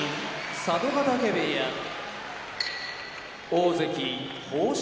佐渡ヶ嶽部屋大関豊昇